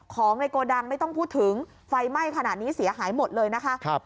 ของในโกดังไม่ต้องพูดถึงไฟไหม้ขนาดนี้เสียหายหมดเลยนะคะ